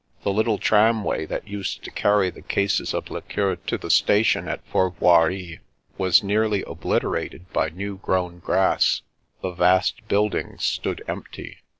The little tramway Siat used to carry the cases of liqueur to the station at Fourvoirie was nearly obliterated by new grown grass; the vast buildings stood empty.